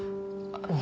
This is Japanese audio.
あの。